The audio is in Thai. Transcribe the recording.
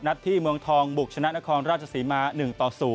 นัดที่มวงทองบุกชนะนครราชสีมา๑ต่อ๐